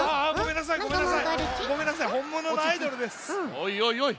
おいおいおい！